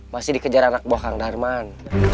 masih dikejar anak bohong darman